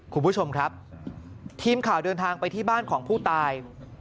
คุณผู้ชมครับทีมข่าวเดินทางไปที่บ้านของผู้ตาย